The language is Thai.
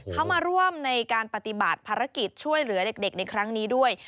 เขามาร่วมในการปฏิบัติภารกิจช่วยเหลือเด็กในครั้งนี้ด้วย